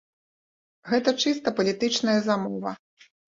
Гэта чыста палітычная замова.